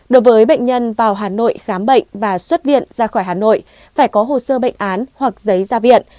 đối với bệnh nhân vào hà nội khám bệnh và xuất viện ra khỏi hà nội phải có hồ sơ bệnh án hoặc giấy ra viện